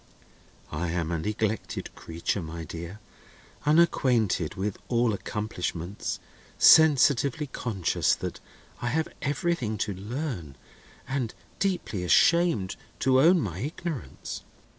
"I am a neglected creature, my dear, unacquainted with all accomplishments, sensitively conscious that I have everything to learn, and deeply ashamed to own my ignorance."